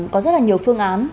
có rất là nhiều phương án